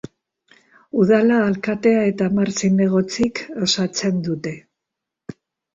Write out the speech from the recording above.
Udala alkatea eta hamar zinegotzik osatzen dute.